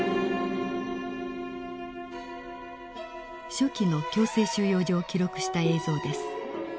初期の強制収容所を記録した映像です。